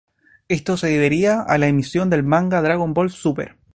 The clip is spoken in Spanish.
Esto se debería a la emisión del manga, Dragon Ball Super.